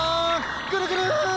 ぐるぐる！